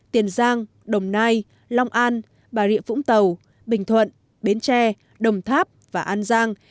tiền giang đồng nai long an bà rịa vũng tàu bình thuận bến tre đồng tháp và an giang